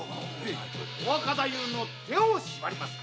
若太夫の手を縛ります